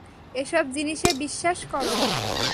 এসব জিনিসে বিশ্বাস করো?